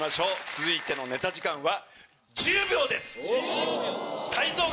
続いてのネタ時間は。